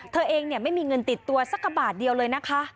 เธอเองไม่มีเงินติดตัวสักกระบาทเดียวเลยนะคะ